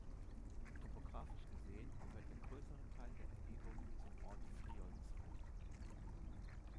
Topographisch gesehen gehört der größere Teil der Erhebung zum Ort Friolzheim.